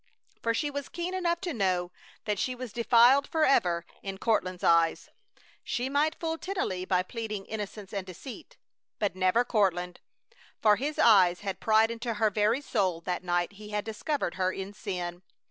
For she was keen enough to know that she was defiled forever in Courtland's eyes. She might fool Tennelly by pleading innocence and deceit, but never Courtland. For his eyes had pried into her very soul that night he had discovered her in sin.